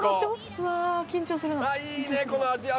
うわ緊張するな。